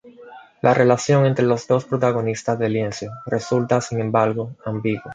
La relación entre los dos protagonistas del lienzo resulta, sin embargo, ambigua.